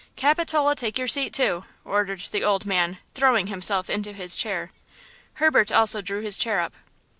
Capitola, take your seat, too," ordered the old man, throwing himself into his chair. Herbert also drew his chair up.